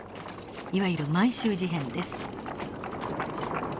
いわゆる満州事変です。